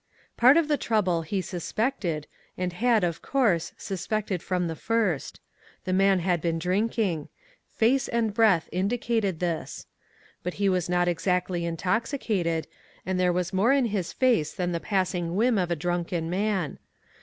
Part of the trouble he suspected, and had, of course, suspected from the first. The man had been drinking; face and breath indicated this ; but he was not exactly intoxicated, and there was more in his face than the passing whim of a drunken man.